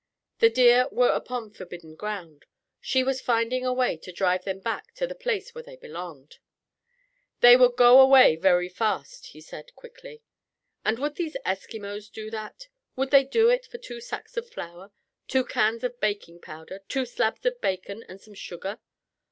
The deer were upon forbidden ground. She was finding a way to drive them back to the place where they belonged. "They would go away very fast," he said quickly. "And would these Eskimos do that; would they do it for two sacks of flour; two cans of baking powder; two slabs of bacon and some sugar?"